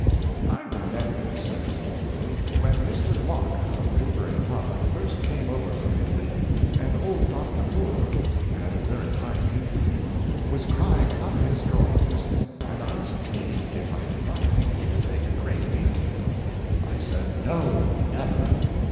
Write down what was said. " I remember," says Northcote, " when Mr. Locke, of Newbury Park, first came over from Italy, and old Dr. Moore, who had a very high opinion of him, was crying up his drawings and asked me if I did not think he would make a great painter. I said, ' No, never!